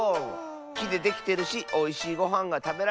きでできてるしおいしいごはんがたべられそうッス。